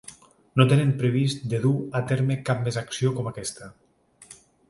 No tenen previst de dur a terme cap més acció com aquesta.